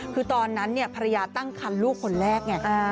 คือตอนนั้นภรรยาตั้งคันลูกคนแรกไง